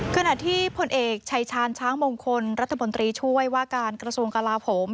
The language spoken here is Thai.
ขณะที่ผลเอกชายชาญช้างมงคลรัฐมนตรีช่วยว่าการกระทรวงกลาโหม